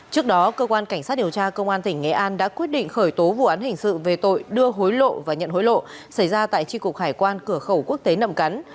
trước đó cơ quan cảnh sát điều tra công an tỉnh nghệ an đã quyết định khởi tố vụ án hình sự về tội đưa hối lộ và nhận hối lộ xảy ra tại tri cục hải quan cửa khẩu quốc tế nậm cắn